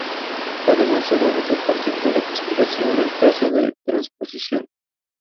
Además sólo rige a partir de la expiración del plazo de transposición.